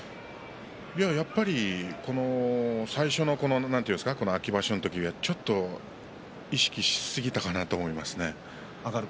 やはり最初の秋場所の時ちょっと意識してしすぎたかなと思ったんですね。